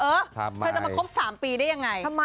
เธอจะมาครบ๓ปีได้ยังไง